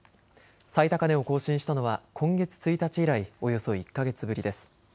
最高値を更新したのは今月１日以来およそ１か月ぶりです。